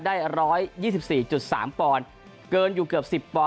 ได้ร้อยยี่สิบสี่จุดสามปอนด์เกินอยู่เกือบสิบปอนด์